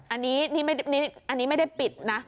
อันนี้ไม่ได้ปิดนะ